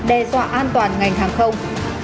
hoạt an toàn ngành hàng không